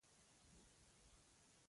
کائنات د رازونو او ښکلا څخه ډک دی.